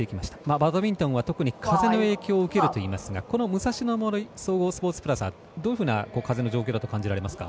バドミントンは特に風の影響を受けるといいますがこの武蔵野の森総合スポーツプラザどういうふうな風の状況だと感じられますか？